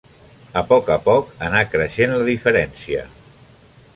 A poc a poc anà creixent la diferència.